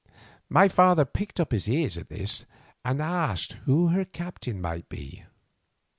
My father pricked up his ears at this, and asked who her captain might be.